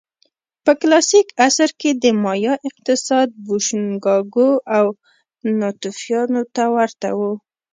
په کلاسیک عصر کې د مایا اقتصاد بوشونګانو او ناتوفیانو ته ورته و